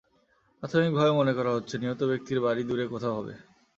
প্রাথমিক ভাবে মনে করা হচ্ছে, নিহত ব্যক্তির বাড়ি দূরে কোথাও হবে।